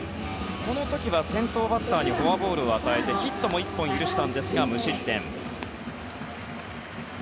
この時は先頭バッターにフォアボールを与えてヒットも１本許したんですが無失点。